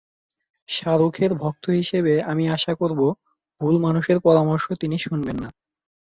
শাহরুখের ভক্ত হিসেবে আমি আশা করব, ভুল মানুষের পরামর্শ তিনি শুনবেন না।